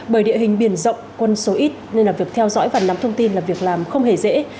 bởi địa hình biển rộng quân số ít nên việc theo dõi và nắm thông tin là việc làm không hề dễ